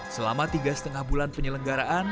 selama tiga lima bulan penyelenggaraan